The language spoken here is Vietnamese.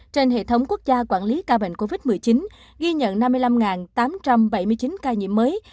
trên hệ thống quốc gia quản lý ca bệnh covid một mươi chín ghi nhận năm mươi năm tám trăm bảy mươi chín ca nhiễm mới